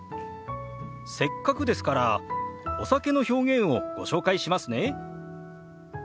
せっかくですからお酒の表現をご紹介しますね。